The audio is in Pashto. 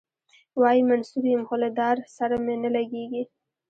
وايي منصور یم خو له دار سره مي نه لګیږي.